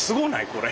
これ。